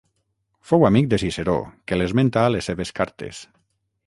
Fou amic de Ciceró que l'esmenta a les seves cartes.